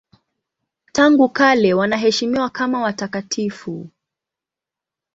Tangu kale wanaheshimiwa kama watakatifu.